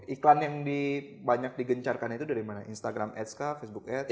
iklan yang banyak digencarkan itu dari mana instagram ads kah facebook ads